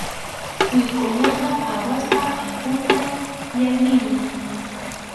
Wikʼuñaqa phawaspa allquta llallinmi.